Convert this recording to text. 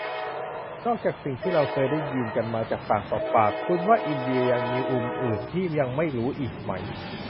นอกจากสิ่งที่เราเคยได้ยินกันมาจากปากต่อปาก คุณว่า อินเดีย ยังมีมุมอื่นที่ยังไม่รู้อีกไหม ?